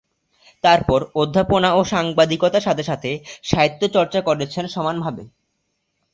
তারপর অধ্যাপনা ও সাংবাদিকতার সাথে সাথে সাহিত্যচর্চা করেছেন সমানভাবে।